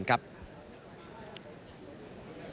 รถตู้ของพิพัทธิ์